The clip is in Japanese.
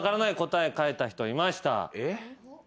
えっ？